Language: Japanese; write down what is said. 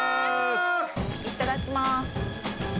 いただきます。